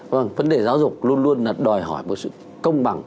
vâng vấn đề giáo dục luôn luôn là đòi hỏi một sự công bằng